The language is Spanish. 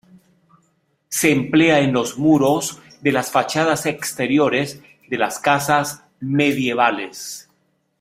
Se emplea en los muros de las fachadas exteriores de las casas medievales.